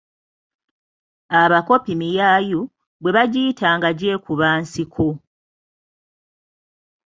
Abakopi miyaayu, bwe bagiyita nga gye kuba nsiko.